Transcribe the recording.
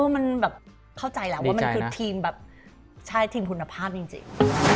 มันแบบเข้าใจแล้วว่ามันคือทีมแบบใช่ทีมคุณภาพจริง